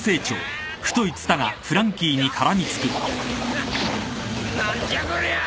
な何じゃこりゃ！